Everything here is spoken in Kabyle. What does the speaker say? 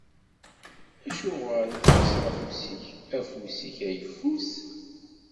Acuɣer i tekkseḍ afus-ik, afus-ik ayeffus?